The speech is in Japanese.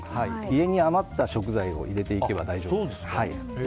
家に余った食材を入れていけば大丈夫です。